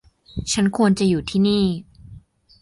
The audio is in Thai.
ฉันควรจะอยู่ที่นี่